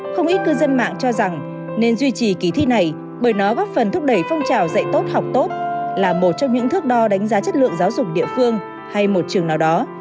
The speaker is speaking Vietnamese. không ít cư dân mạng cho rằng nên duy trì kỳ thi này bởi nó góp phần thúc đẩy phong trào dạy tốt học tốt là một trong những thước đo đánh giá chất lượng giáo dục địa phương hay một trường nào đó